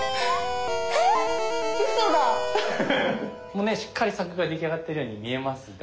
もうねしっかり柵が出来上がってるように見えますが。